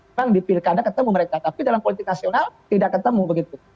memang di pilkada ketemu mereka tapi dalam politik nasional tidak ketemu begitu